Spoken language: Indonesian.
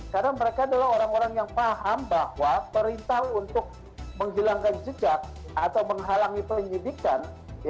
karena mereka adalah orang orang yang paham bahwa perintah untuk menghilangkan jejak atau menghalangi penyidikan